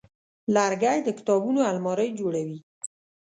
لرګی د کتابونو المارۍ جوړوي.